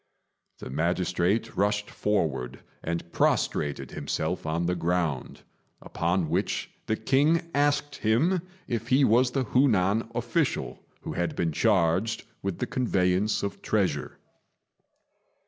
The magistrate rushed forward and prostrated himself on the ground; upon which the king asked him if he was the Hu nan official who had been charged with the conveyance of treasure.